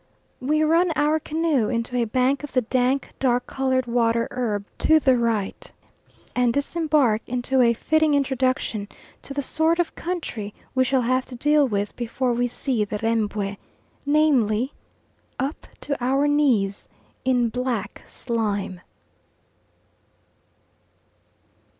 We run our canoe into a bank of the dank dark coloured water herb to the right, and disembark into a fitting introduction to the sort of country we shall have to deal with before we see the Rembwe namely, up to our knees in black slime.